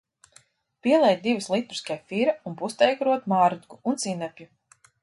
Pieliek divus litrus kefīra un pustējkaroti mārrutku un sinepju.